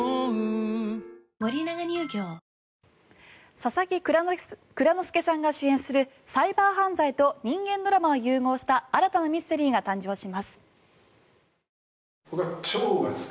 佐々木蔵之介さんが主演するサイバー犯罪と人間ドラマを融合した新たなミステリーが誕生します。